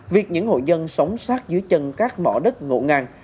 việc những hội dân sống sát dưới chân các mỏ đất ngộ ngang